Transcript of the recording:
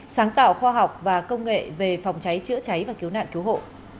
sáng tạo khoa học và công nghệ về phòng cháy chữa cháy và cứu nạn cứu hộ